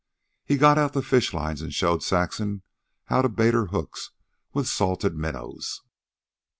He got out the fish lines and showed Saxon how to bait her hooks with salted minnows.